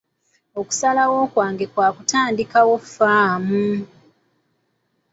Okusalawo kwange kwa kutandikawo ffaamu.